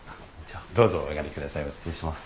どうぞお上がりくださいませ。